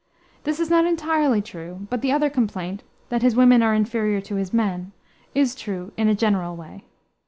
This is not entirely true, but the other complaint that his women are inferior to his men is true in a general way.